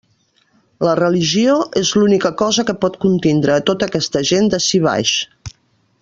La religió és l'única cosa que pot contindre a tota aquesta gent d'ací baix.